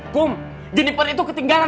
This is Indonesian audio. kum jeniper itu ketinggalan